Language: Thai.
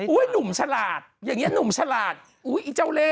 หนุ่มฉลาดอย่างนี้หนุ่มฉลาดอุ๊ยไอ้เจ้าเล่